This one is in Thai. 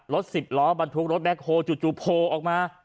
รถ๑๐ล้อบันทุกรถแม็กโพจู่จู่โพออกมา